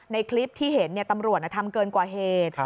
ในคลิปที่เห็นตำรวจทำเกินกว่าเหตุ